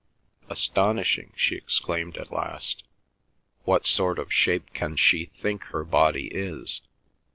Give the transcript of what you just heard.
"Astonishing!" she exclaimed at last. "What sort of shape can she think her body is?"